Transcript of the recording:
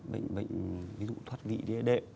bệnh bệnh ví dụ thoát vị đệ đệ